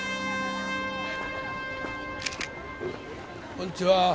こんにちは。